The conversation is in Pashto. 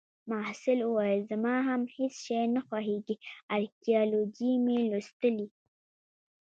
محصل وویل: زما هم هیڅ شی نه خوښیږي. ارکیالوجي مې لوستلې